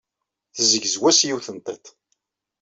Tezzegzew-as yiwet n tiṭ.